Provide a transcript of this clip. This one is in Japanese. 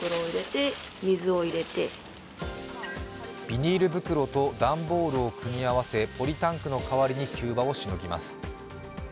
ビニール袋と段ボールを組み合わせ、ポリタンクの代わりに急場をしのぎます。